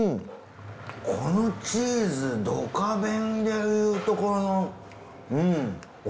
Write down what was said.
このチーズ『ドカベン』でいうところの。